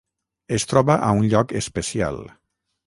Es troba a un lloc especial.